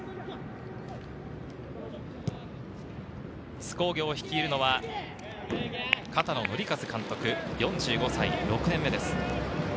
津工業を率いるのは、片野典和監督、４５歳、６年目です。